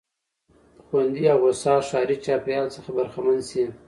خوندي او هوسا ښاري چاپېريال څخه برخمن سي.